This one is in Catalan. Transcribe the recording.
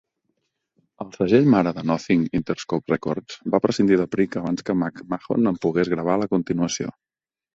El segell mare de Nothing, Interscope Records, va prescindir de Prick abans que McMahon en pogués gravar la continuació.